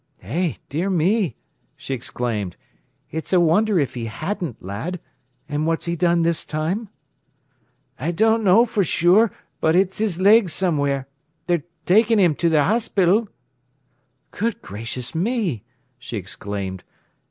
"Eh, dear me!" she exclaimed. "It's a wonder if he hadn't, lad. And what's he done this time?" "I don't know for sure, but it's 'is leg somewhere. They ta'ein' 'im ter th' 'ospital." "Good gracious me!" she exclaimed.